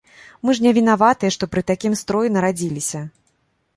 Мы ж не вінаватыя, што пры такім строі нарадзіліся.